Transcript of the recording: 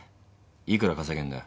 いくら稼げんだよ？